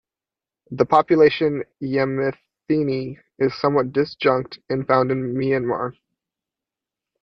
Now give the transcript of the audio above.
The population "yamethini" is somewhat disjunct and found in Myanmar.